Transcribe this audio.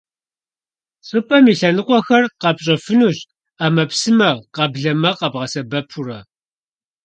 ЩӀыпӀэм и лъэныкъуэхэр къэпщӀэфынущ Ӏэмэпсымэ — къэблэмэ къэбгъэсэбэпурэ.